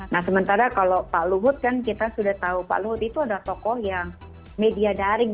nah sementara kalau pak luhut kan kita sudah tahu pak luhut itu adalah tokoh yang media daring